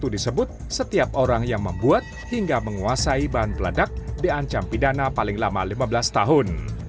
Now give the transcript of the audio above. disebut setiap orang yang membuat hingga menguasai bahan peledak diancam pidana paling lama lima belas tahun